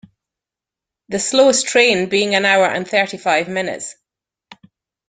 The slowest train being an hour and thirty-five minutes.